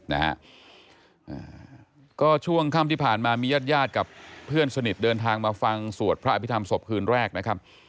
นะฮะอ่าก็ช่วงค่ำที่ผ่านมามีญาติญาติกับเพื่อนสนิทเดินทางมาฟังสวดพระอภิษฐรรศพคืนแรกนะครับ